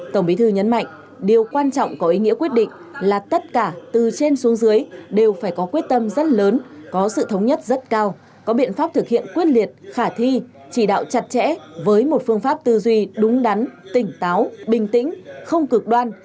tổng bí thư nhấn mạnh điều quan trọng có ý nghĩa quyết định là tất cả từ trên xuống dưới đều phải có quyết tâm rất lớn có sự thống nhất rất cao có biện pháp thực hiện quyết liệt khả thi chỉ đạo chặt chẽ với một phương pháp tư duy đúng đắn tỉnh táo bình tĩnh không cực đoan